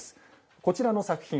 こちらの作品